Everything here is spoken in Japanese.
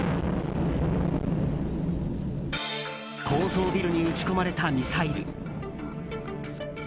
高層ビルに撃ち込まれたミサイル。